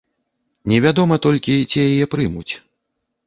Невядома толькі ці яе прымуць.